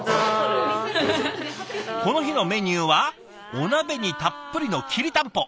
この日のメニューはお鍋にたっぷりのきりたんぽ。